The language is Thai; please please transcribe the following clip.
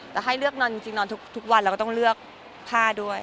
แต่ให้เลือกนอนจริงนอนทุกวันเราก็ต้องเลือกผ้าด้วย